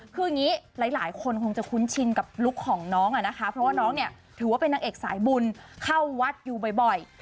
คืออย่างนี้หลายคนคงจะคุ้นชินกับลุคของน้องอะนะคะเพราะว่าน้องเนี่ยถือว่าเป็นนางเอกสายบุญเข้าวัดอยู่บ่อย